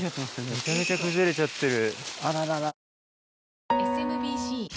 めちゃめちゃ崩れちゃってる。